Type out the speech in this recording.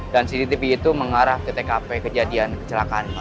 dan cctv itu mengarah ke tkp kejadian kecelakaan pak